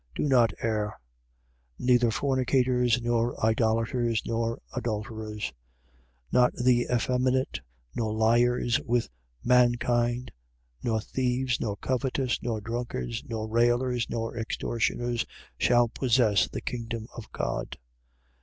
Do not err: Neither fornicators nor idolaters nor adulterers: 6:10. Nor the effeminate nor liers with mankind nor thieves nor covetous nor drunkards nor railers nor extortioners shall possess the kingdom of God.